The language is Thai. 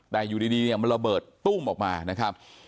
แต่อยู่ดีมันระเบิดตู้มออกมานะครับ